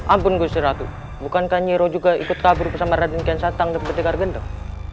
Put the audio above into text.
ampun gusti ratu bukankah nyiroh juga ikut kabur bersama raden kianshatan dan berdekat gendeng